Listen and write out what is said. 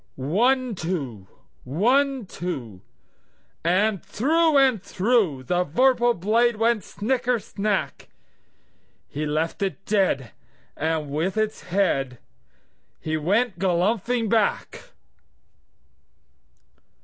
One, two! One, two! And through and throughThe vorpal blade went snicker snack! He left it dead, and with its headHe went galumphing back.